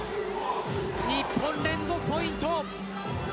日本、連続ポイント。